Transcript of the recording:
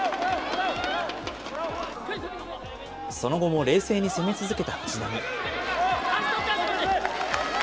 その後も冷静に攻め続けた藤波。